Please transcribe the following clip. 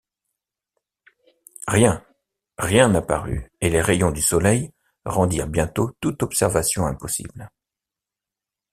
Rien, rien n’apparut, et les rayons du soleil rendirent bientôt toute observation impossible!